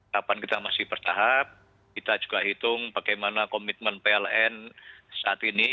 kapan kita masih bertahap kita juga hitung bagaimana komitmen pln saat ini